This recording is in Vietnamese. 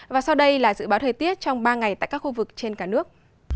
và sau đây là dự báo thời tiết trong ba ngày tại các khu vực trên cả nước